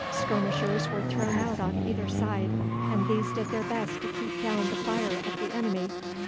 Skirmishers were thrown out on either side, and these did their best to keep down the fire of the enemy.